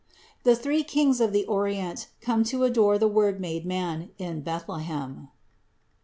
THE THREE KINGS OF THE ORIENT COME TO ADORE THE WORD MADE MAN IN BETHLEHEM.